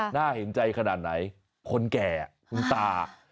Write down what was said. น่าเห็นใจขนาดไหนคนแก่คุณตา